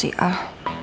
brengsek sih al